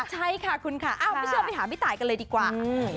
ใช่ค่ะคุณค่ะไม่เชื่อไปหาพี่ตายกันเลยดีกว่า